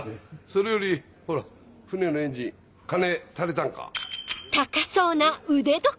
それよりほら船のエンジン金足りたんか？